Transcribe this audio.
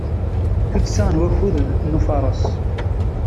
Tuddsa n wakud n ufares.